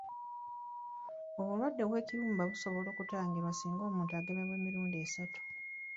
Obulwadde bw'ekibumba busobola okutangirwa singa omuntu agemebwa emirundi esatu